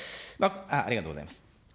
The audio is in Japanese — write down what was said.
ありがとうございます。